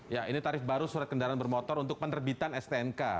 ya ini tarif baru surat kendaraan bermotor untuk penerbitan stnk